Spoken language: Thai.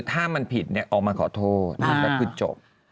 ถ้ามันผิดออกมาขอโทษก็คือจบ